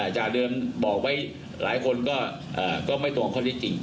จากเดิมบอกไว้หลายคนก็ไม่ตรงข้อที่จริง